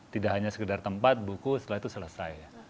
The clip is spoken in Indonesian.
tidak hanya sekedar tempat buku setelah itu selesai